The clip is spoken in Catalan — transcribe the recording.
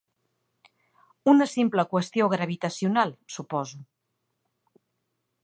Una simple qüestió gravitacional, suposo.